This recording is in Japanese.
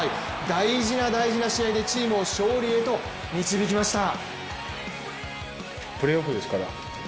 大事な大事な試合でチームを勝利へと導きました。